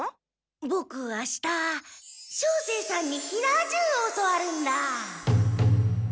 ボクあした照星さんに火縄銃を教わるんだ！